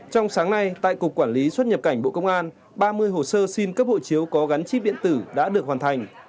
trong sáng nay tại cục quản lý xuất nhập cảnh bộ công an ba mươi hồ sơ xin cấp hộ chiếu có gắn chip điện tử đã được hoàn thành